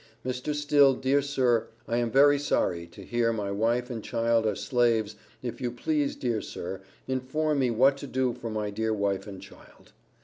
Mr. Still dear sir I am very sorry to hear my wife and child are slaves if you please dear sir inform me what to do for my dear wife and child.